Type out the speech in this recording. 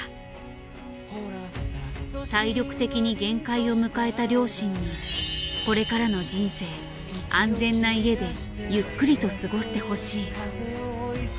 体力的に限界を迎えた両親にこれからの人生安全な家でゆっくりと過ごしてほしい。